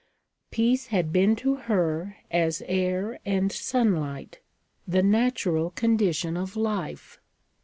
Peace had been to her as air and sunlight the natural condition of life.